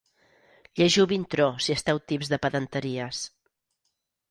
Llegiu Vintró si esteu tips de pedanteries.